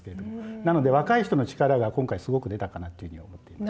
なので若い人の力が今回すごく出たかなっていうふうに思っています。